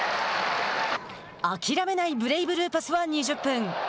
諦めないブレイブルーパスは２０分。